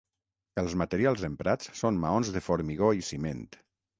Els materials emprats són maons de formigó i ciment.